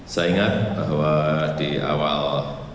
saya ingat bahwa di awal